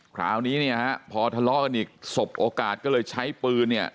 คราวนี้เนี่ยฮะพอทะเลาะกันอีกสบโอกาสก็เลยใช้ปืนเนี่ย